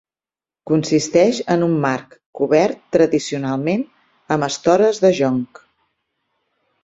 Consisteix en un marc cobert tradicionalment amb estores de jonc.